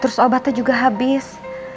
terus obatnya juga habis